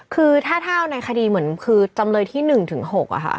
คือถ้าเท่าในคดีจำเลยที่๑ถึง๖อะฮะ